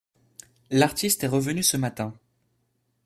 L'artiste est revenu ce matin.